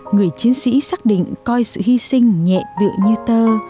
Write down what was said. người chiến sĩ xác định coi sự hy sinh nhẹ tựa như tơ